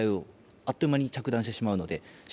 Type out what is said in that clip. あっという間に着弾してしまうので。